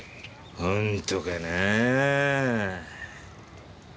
本当かなぁ。